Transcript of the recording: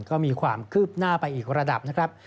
ก็มีความคืบหน้าไปอีกระดับนะครับ